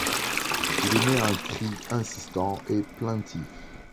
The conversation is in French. Il émet un cri insistant et plaintif.